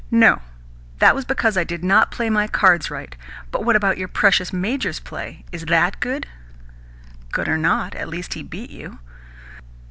"No. That was because I did not play my cards right. But what about your precious major's play? Is THAT good?" "Good or not, at least he beat you."